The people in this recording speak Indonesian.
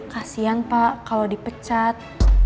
kasian pak kalau dipecat